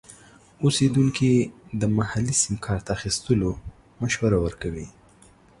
اوسیدونکي د محلي سیم کارت اخیستلو مشوره ورکوي.